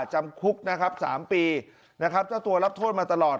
จำคุกนะครับ๓ปีนะครับเจ้าตัวรับโทษมาตลอด